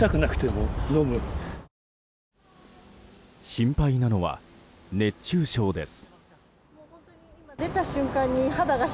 心配なのは熱中症です。